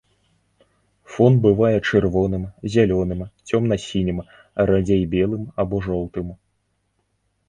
Фон бывае чырвоным, зялёным, цёмна-сінім, радзей белым або жоўтым.